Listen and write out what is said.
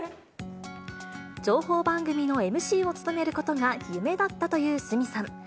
情報番組のＭＣを務めることが夢だったという鷲見さん。